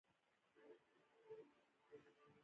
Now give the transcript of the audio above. له رفیع صاحب سره مو اوږد بنډار وکړ.